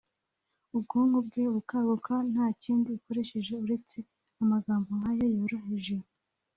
ubwonko bwe bukaguka nta kindi ukoresheje uretse amagambo nk’aya yoroheje